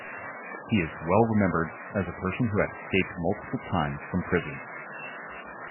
He is well remembered as a person who had escaped multiple times from prison.